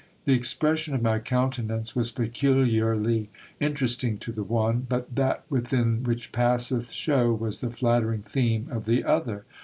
The expression of my countenance was peculiarly interesting to the one : but that within which passeth shew was the nattering theme of the other.